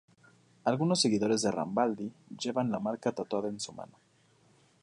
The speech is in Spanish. Algunos seguidores de Rambaldi llevan la marca tatuada en su mano.